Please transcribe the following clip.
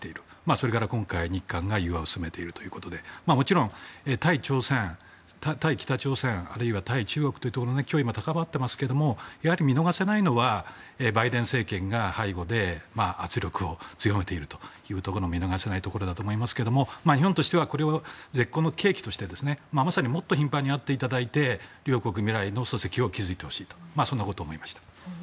それから今回、日韓が融和を進めているということでもちろん対北朝鮮あるいは対中国というところで脅威が高まっていますがやはり見逃せないのはバイデン政権が背後で圧力を強めているというところも見逃せないところだと思いますが日本としてはこれを絶好の契機としてまさにもっと頻繁に会っていただいて両国未来の礎石を築いてほしいとそんなことを思いました。